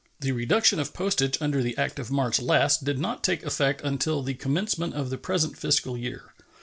The reduction of postage under the act of March last did not take effect until the commencement of the present fiscal year.